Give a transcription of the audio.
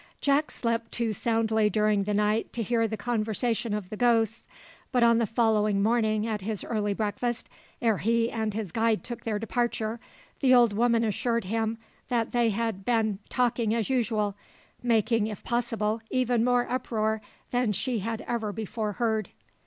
Jack slept too soundly during the night to hear the conversation of the ghosts; but, on the following morning at his early breakfast, ere he and his guide took their departure, the old woman assured him that they had been talking as usual, making, if possible, even more uproar than she had ever before heard.